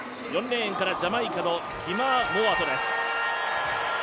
４レーンからジャマイカのキマー・モウァトです。